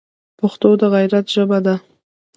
پښتو د غیرت ژبه ده